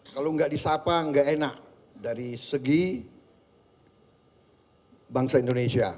kalau enggak disapa enggak enak dari segi bangsa indonesia